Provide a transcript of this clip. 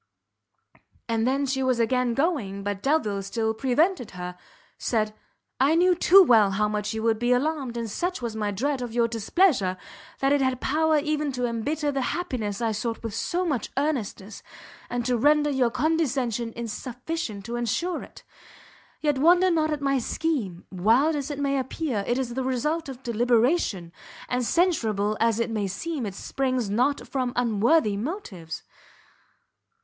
And then she was again going, but Delvile still preventing her, said "I knew too well how much you would be alarmed, and such was my dread of your displeasure that it had power even to embitter the happiness I sought with so much earnestness, and to render your condescension insufficient to ensure it. Yet wonder not at my scheme; wild as it may appear, it is the result of deliberation, and censurable as it may seem, it springs not from unworthy motives."